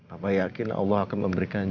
apa yakin allah akan memberikan